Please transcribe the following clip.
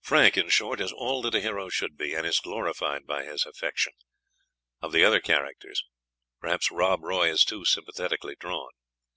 Frank, in short, is all that a hero should be, and is glorified by his affection. Of the other characters, perhaps Rob Roy is too sympathetically drawn.